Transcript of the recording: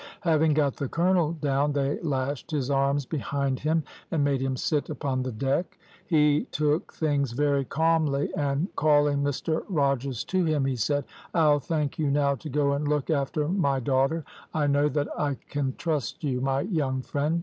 Having got the colonel down, they lashed his arms behind him and made him sit upon the deck. He took things very calmly, and calling Mr Rogers to him, he said, `I'll thank you now to go and look after my daughter; I know that I can trust you, my young friend.